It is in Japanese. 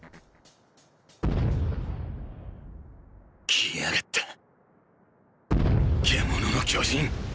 来やがった「獣の巨人」！！